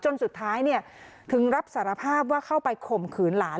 จนสุดท้ายถึงรับสารภาพว่าเข้าไปข่มขืนหลาน